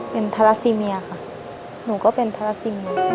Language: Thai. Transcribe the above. เป็นทาราซีเมียค่ะหนูก็เป็นทาราซิเมีย